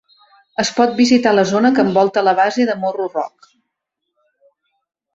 Es pot visitar la zona que envolta la base de Morro Rock.